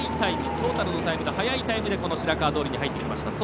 トータルの速いタイムでこの白川通に入ってきました。